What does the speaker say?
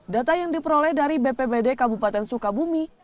data yang diperoleh dari bpbd kabupaten sukabumi